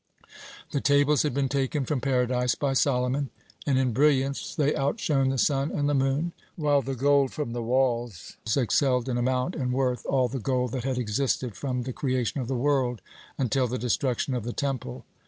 The tables had been taken from Paradise by Solomon, and in brilliance they outshone the sun and the moon, while the gold from the walls excelled in amount and worth all the gold that had existed from the creation of the world until the destruction of the Temple.